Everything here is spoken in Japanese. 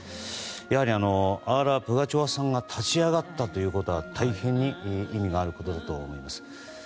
やはりアーラ・プガチョワさんが立ち上がったということは大変に意味があることだと思います。